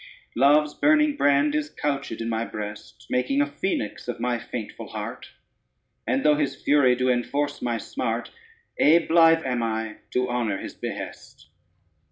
Love's burning brand is couchèd in my breast, Making a Phoenix of my faintful heart: And though his fury do enforce my smart, Ay blithe am I to honor his behest.